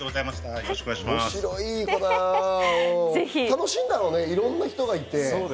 楽しいんだろうね、いろんな人がいて。